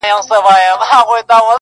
o واده په ساز ښه ايسي، مړی په ژړا٫